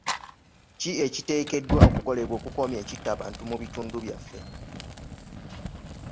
Ki ekiteekeddwa okukolebwa okukomya ekitta bantu mu bitundu byaffe?